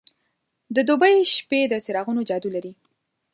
د دوبی شپې د څراغونو جادو لري.